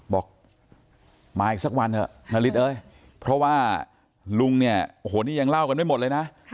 บอกมาอีกสักวันเถอะนาริสเอ้ยเพราะว่าลุงเนี่ยโอ้โหนี่ยังเล่ากันไม่หมดเลยนะ